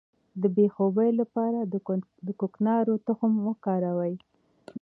د بې خوبۍ لپاره د کوکنارو تخم وکاروئ